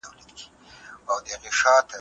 ولي هغه څوک چي بېوزله وي، د نورو له خوا هېريږي؟